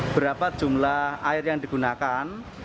berapa jumlah air yang digunakan